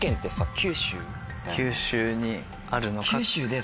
九州にあるのか。